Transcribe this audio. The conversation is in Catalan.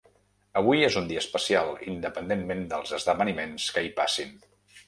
Avui és un dia especial, independentment dels esdeveniments que hi passin.